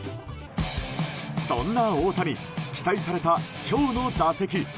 そんな大谷期待された今日の打席。